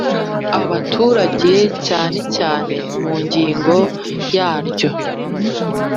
abaturage cyane cyane mu ngingo yaryo